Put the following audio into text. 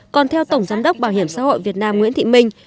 còn theo tổng giám đốc bảo hiểm xã hội việt nam nguyễn thị minh